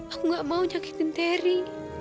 aku gak mau nyakiin terry